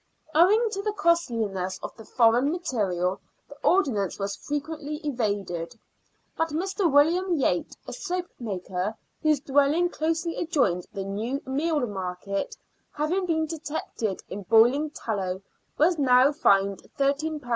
Owing to the costliness of the foreign material, the ordinance was frequently evaded ; but Mr. William Yate, a soapmaker, whose dwelling closely adjoined the new 'Sleal Market, having been detected in boiling tallow, Vv^as now fined £13 6s.